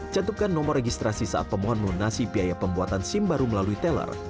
cantupkan nomor registrasi saat pemohon melunasi biaya pembuatan sim baru melalui teller